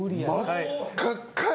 真っ赤っかやで。